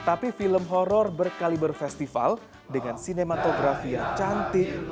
tapi film horror berkaliber festival dengan sinematografi yang cantik